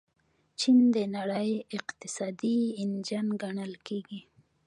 چین د نړۍ اقتصادي انجن ګڼل کیږي.